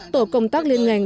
tổ công tác liên ngành